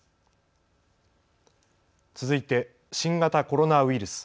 続いて新型コロナウイルス。